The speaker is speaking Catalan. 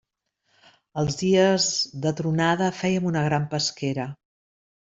Els dies de tronada fèiem una gran pesquera.